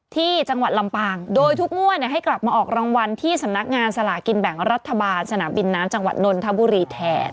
ที่จังหวัดลำปางโดยทุกงวดให้กลับมาออกรางวัลที่สำนักงานสลากินแบ่งรัฐบาลสนามบินน้ำจังหวัดนนทบุรีแทน